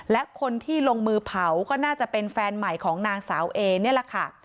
และคนที่ลงมือเผาก็น่าจะเป็นแฟนใหม่ของนางสาวเอนี่แหละค่ะ